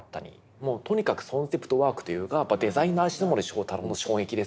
もうとにかくコンセプトワークというかデザイナー石森章太郎の衝撃ですよね。